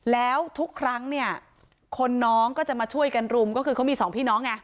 แล้วทุกครั้งเนี่ยคนน้องก็จะมาช่วยกันรุมก็คือเขามีสองพี่น้องไง